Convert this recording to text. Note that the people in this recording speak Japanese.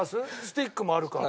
スティックもあるか。